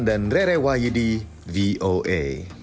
dan rere wahidi voa